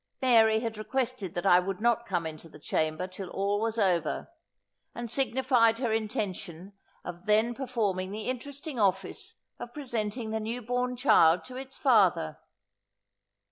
Mary had requested that I would not come into the chamber till all was over, and signified her intention of then performing the interesting office of presenting the new born child to its father.